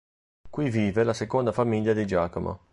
Qui vive la seconda famiglia di Giacomo.